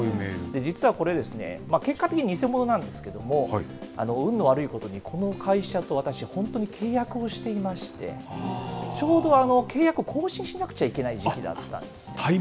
実はこれ、結果的に偽物なんですけれども、運の悪いことに、この会社と私、本当に契約をしていまして、ちょうど契約を更新しなくちゃいけない時期だったんです。